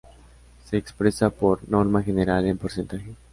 Se expresa por norma general en porcentaje.